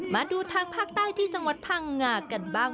มาดูทางภาคใต้ที่จังหวัดพังงากันบ้าง